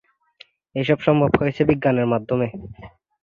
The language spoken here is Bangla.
এসব সম্ভব হয়েছে বিজ্ঞানের মাধ্যমে।